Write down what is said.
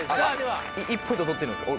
１ポイント取ってるんですか？